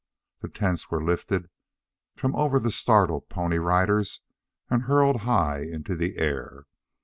The tents were lifted from over the startled Pony Riders and hurled high into the air.